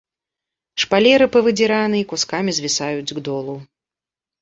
Шпалеры павыдзіраны і кускамі звісаюць к долу.